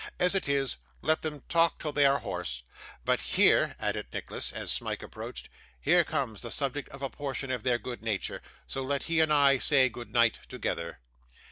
As it is, let them talk till they are hoarse. But here,' added Nicholas, as Smike approached, 'here comes the subject of a portion of their good nature, so let he and I say good night together.